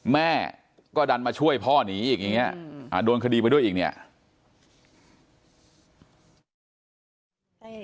แม่ก็ดันมาช่วยพ่อหนีอีกโดนคดีไปด้วยอีก